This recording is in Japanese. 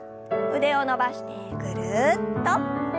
腕を伸ばしてぐるっと。